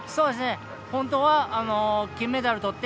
本当は、金メダルとって